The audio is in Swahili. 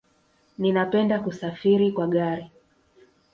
Ninapenda kusafiri kwa gari